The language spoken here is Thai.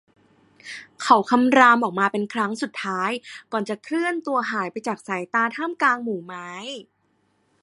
เขาคำรามออกมาเป็นครั้งสุดท้ายก่อนจะเคลื่อนตัวหายไปจากสายตาท่ามกลางหมู่ไม้